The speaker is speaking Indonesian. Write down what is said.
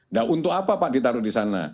nah untuk apa pak ditaruh di sana